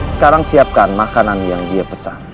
sekarang siapkan makanan yang dia pesan